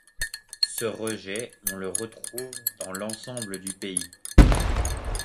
Ce rejet, on le retrouve dans l'ensemble du pays.